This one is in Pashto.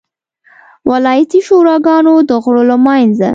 ولایتي شوراګانو د غړو له منځه.